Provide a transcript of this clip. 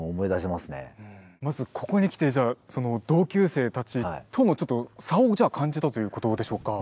まずここに来てじゃあその同級生たちとのちょっと差を感じたということでしょうか？